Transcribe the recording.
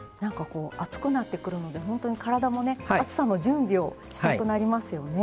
暑くなってくるので体も暑さの準備をしたくなりますよね。